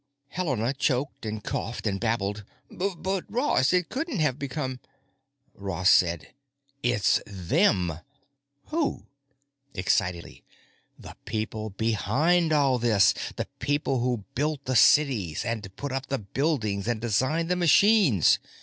Helena choked and coughed and babbled, "But Ross, it couldn't have because——" Ross said: "It's them!" "Who?" Excitedly: "The people behind all this! The people who built the cities and put up the buildings and designed the machines.